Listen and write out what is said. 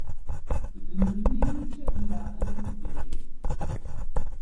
D nutni i yettaken leɛqel i uqeddac-ik.